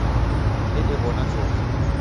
Dedewona chovu.